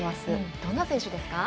どんな選手ですか？